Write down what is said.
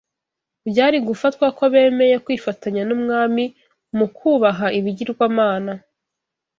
byari gufatwa ko bemeye kwifatanya n’umwami mu kubaha ibigirwamana